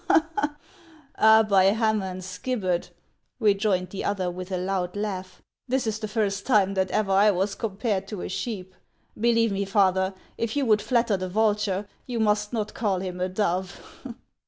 " Ah, by Hainan's gibbet," rejoined the other with a 10 146 HANS OF ICKLAXD. loud laugh, " this is the first time that ever I was coin pared to a sheep ! Believe me, Father, if you would flatter the vulture, you must not call him a dove."